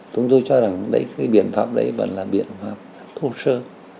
chúng tôi cho rằng đây cái biện pháp đấy vẫn là biện pháp thô sơ